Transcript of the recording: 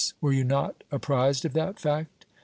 Were you not apprised of that fact?